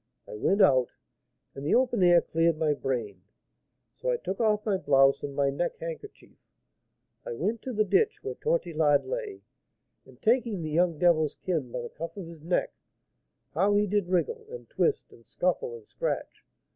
I went out, and the open air cleared my brain; so I took off my blouse and my neck handkerchief, I went to the ditch where Tortillard lay, and taking the young devil's kin by the cuff of his neck, how he did wriggle, and twist, and scuffle, and scratch!